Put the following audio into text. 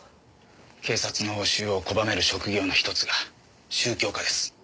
警察の押収を拒める職業の１つが宗教家です。